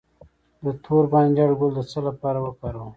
د تور بانجان ګل د څه لپاره وکاروم؟